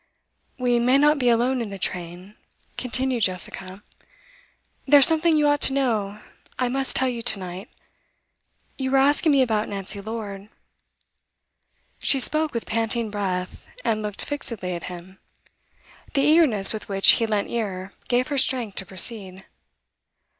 'We may not be alone in the train,' continued Jessica. 'There's something you ought to know I must tell you to night. You were asking me about Nancy Lord.' She spoke with panting breath, and looked fixedly at him. The eagerness with which he lent ear gave her strength to proceed.